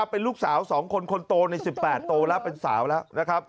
เป็นลูกสาว๒คนคนโตใน๑๘โตแล้วเป็นสาวแล้วนะครับ